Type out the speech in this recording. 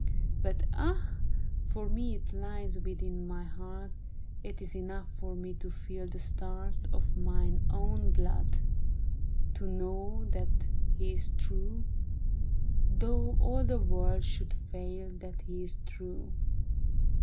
But ah, for me it lies within my heart ; It is enough for me to feel the start Of mine own blood, to know that he is true, Though all the world should fail, that he is true.